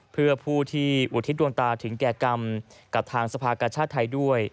เพื่อผู้ที่อุทิศดวงตาถึงแก่กรรมกับทางสภากชาติไทยด้วย